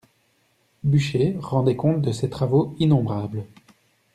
Buchez rendait compte de ses travaux innombrables.